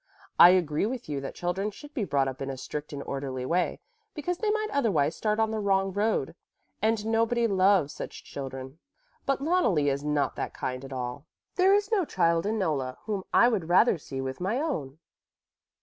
I agree with you that children should be brought up in a strict and orderly way, because they might otherwise start on the wrong road, and nobody loves such children. But Loneli is not that kind at all. There is no child in Nolla whom I would rather see with my own."